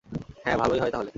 হ্যাঁ, ভালোই হয় তাহলে।